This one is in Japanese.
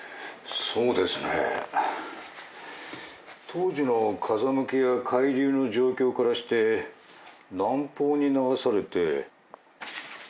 当時の風向きや海流の状況からして南方に流されて。